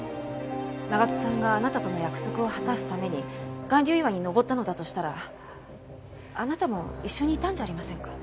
長津さんがあなたとの約束を果たすために巌流岩に登ったのだとしたらあなたも一緒にいたんじゃありませんか？